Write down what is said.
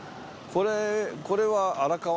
これこれは荒川？